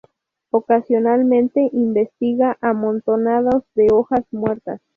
Ocasionalmente investiga amontonados de hojas muertas.